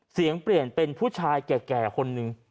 เสียงเปลี่ยนเป็นผู้ชายแก่คนหนึ่ง